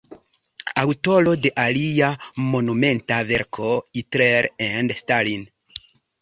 Aŭtoro de alia monumenta verko "Hitler and Stalin.